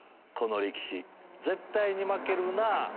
この力士絶対に負けるなぁ。